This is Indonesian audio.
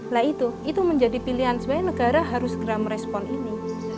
lah itu itu menjadi pilihan sebenarnya negara harus geram respon ini